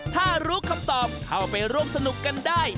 ถ้ารู้คำตอบเข้าไปร่วมสนุกกันได้